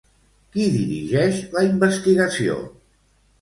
Qui dirigeix la investigació?